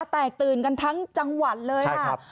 แตกตื่นกันทั้งจังหวัดเลยค่ะ